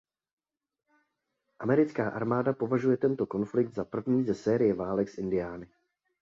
Americká armáda považuje tento konflikt za první ze série válek s Indiány.